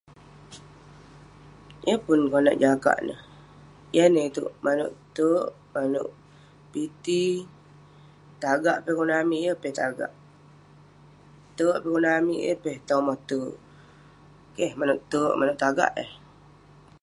Yeng pun konak jagak neh, yan neh itouk, manouk terk..manouk piti, tagak peh eh kunah amik, yeng peh eh tagak..terk peh eh kunah amik, yeng eh tomoh terk..keh, manouk terk manouk tagak eh